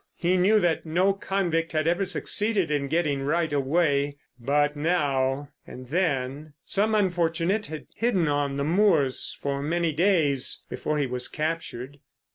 He knew that no convict had ever succeeded in getting right away, but now and then some unfortunate had hidden on the moors for many days before he was captured.